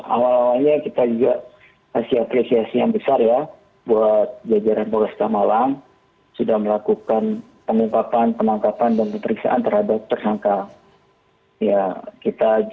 awal awalnya kita juga kasih apresiasi yang besar ya buat jajaran polresta malang sudah melakukan pengungkapan penangkapan dan pemeriksaan terhadap tersangka